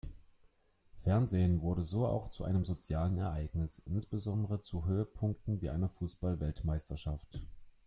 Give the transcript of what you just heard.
Fernsehen wurde so auch zu einem sozialen Ereignis, insbesondere zu Höhepunkten wie einer Fußball-Weltmeisterschaft.